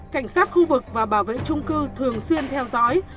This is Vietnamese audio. cảnh sát khu vực và bảo vệ trung cư thường xuyên theo dõi